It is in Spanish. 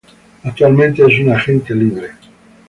Actualmente es un Agente Libre.